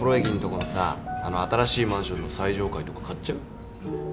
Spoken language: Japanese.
このさあの新しいマンションの最上階とか買っちゃう？